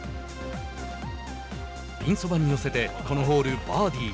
ピンそばに寄せてこのホール、バーディー。